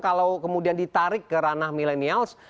kalau kemudian ditarik ke ranah millennials